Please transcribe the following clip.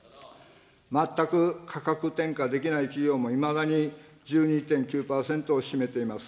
全く価格転嫁できない企業もいまだに１２．９％を占めています。